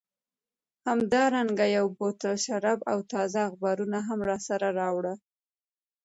همدارنګه یو بوتل شراب او تازه اخبارونه هم راسره راوړه.